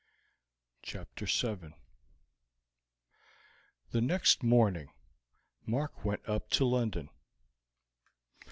CHAPTER VII. The next morning Mark went up to London.